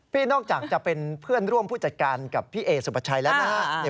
นอกจากจะเป็นเพื่อนร่วมผู้จัดการกับพี่เอสุปชัยแล้วนะฮะ